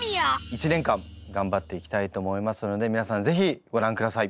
１年間頑張っていきたいと思いますので皆さんぜひご覧ください。